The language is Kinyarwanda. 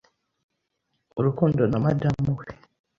Rukundo na madamu we